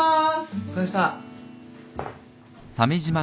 お疲れした。